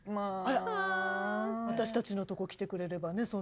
私たちのとこ来てくれればね